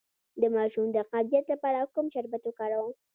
د ماشوم د قبضیت لپاره کوم شربت وکاروم؟